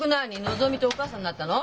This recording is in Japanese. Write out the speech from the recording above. のぞみとお母さんになったの？